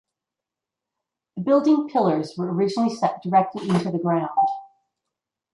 The building pillars were originally set directly into the ground.